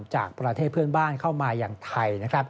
จากประเทศเพื่อนบ้านเข้ามาอย่างไทย